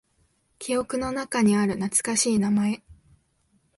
記憶の中にある懐かしい名前。